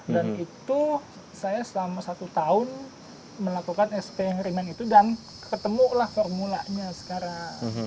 dan itu saya selama satu tahun melakukan spn rimen itu dan ketemulah formulanya sekarang